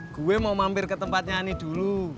gue mau mampir ke tempat nyanyi dulu